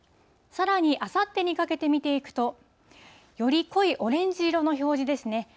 さらにあさってにかけて見ていくと、より濃いオレンジ色の表示ですね。